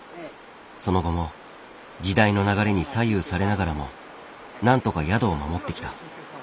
その後も時代の流れに左右されながらもなんとか宿を守ってきた。